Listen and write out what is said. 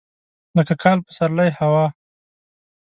لکه کال، پسرلی، هوا.